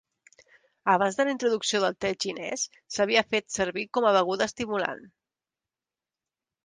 Abans de la introducció del te xinès s'havia fet servir com a beguda estimulant.